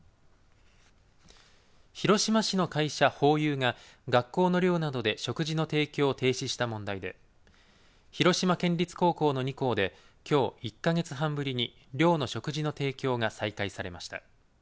広島市の会社ホーユーが学校の寮などで食事の提供を停止した問題で広島県立高校の２校できょう１か月半ぶりに寮の食事の提供が再開されました。